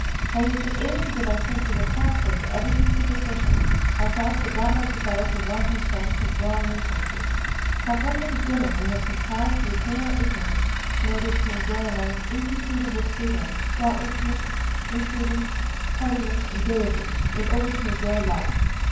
how we have been able to give our senses a passport to everything superficial, our thoughts a godlike desire for wanton pranks and wrong inferences! how from the beginning, we have contrived to retain our ignorance in order to enjoy an almost inconceivable freedom, thoughtlessness, imprudence, heartiness, and gaiety in order to enjoy life!